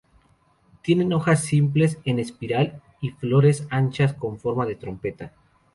Tienen hojas simples, en espiral y flores anchas con forma de trompeta.